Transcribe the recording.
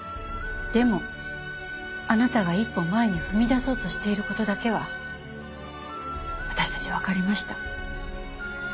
でもあなたが一歩前に踏み出そうとしている事だけは私たちわかりました。